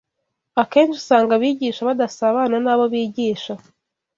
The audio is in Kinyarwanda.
Akenshi usanga abigisha badasabana n’abo bigisha